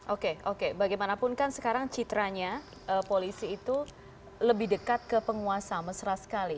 oke oke bagaimanapun kan sekarang citranya polisi itu lebih dekat ke penguasa mesra sekali